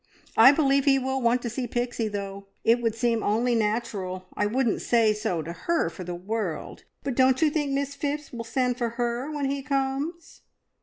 I believe he will want to see Pixie, though. It would seem only natural. I wouldn't say so to her for the world, but don't you think Miss Phipps will send for her when he comes?"